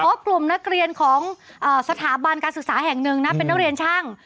เพราะกลุ่มนักเรียนของสถาบันการศึกษาแห่งหนึ่งนะเป็นนักเรียนช่าง